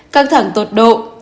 căng thẳng tột độ